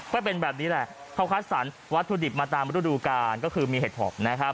ก็เป็นแบบนี้แหละเขาคัดสรรวัตถุดิบมาตามฤดูกาลก็คือมีเห็ดหอบนะครับ